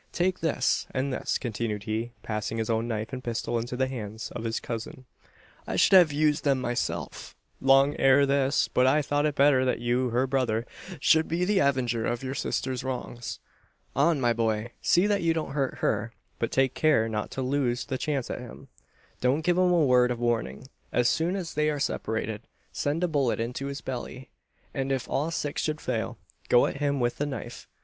Take this, and this," continued he, passing his own knife and pistol into the hands of his cousin. "I should have used them myself, long ere this; but I thought it better that you her brother should be the avenger of your sister's wrongs. On, my boy! See that you don't hurt her; but take care not to lose the chance at him. Don't give him a word of warning. As soon as they are separated, send a bullet into his belly; and if all six should fail, go at him with the knife.